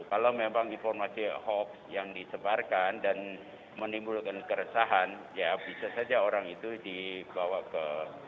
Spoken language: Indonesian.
kalau memang informasi hoax yang disebarkan dan menimbulkan keresahan ya bisa saja orang itu dibawa ke